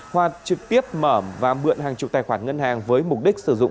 hoạt trực tiếp mở và mượn hàng chục tài khoản ngân hàng với mục đích sử dụng